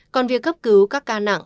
còn việc cấp cứu các ca nặng